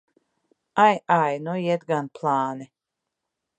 Ai, ai! Nu iet gan plāni!